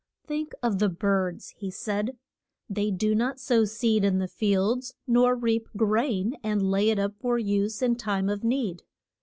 Think of the birds, he said. They do not sow seed in the fields, nor reap grain and lay it up for use in time of need.